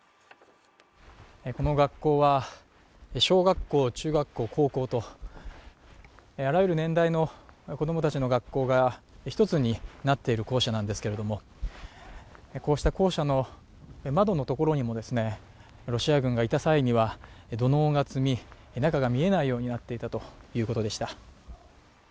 この学校は小学校、中学校、高校とあらゆる年代の子供たちの学校が１つになっている校舎なんですけど、こうした校舎の窓のところにもロシア軍がいた際には土のうが積み、中が見えないようになっていたということでした。